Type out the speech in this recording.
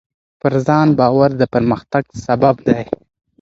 پر ځان باور د پرمختګ سبب دی.